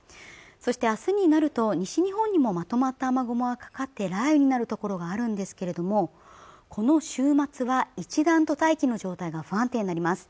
そして明日になると西日本にもまとまった雨雲がかかって雷雨になる所があるんですけれどもこの週末は一段と大気の状態が不安定になります